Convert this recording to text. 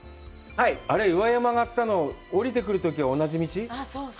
あれ、岩山上がったの下りてくるとき同じ道？